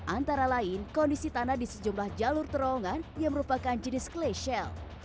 antara lain kondisi tanah di sejumlah jalur terowongan yang merupakan jenis clay shell